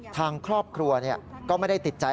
ทางครอบครัวก็ไม่ได้ติดใจ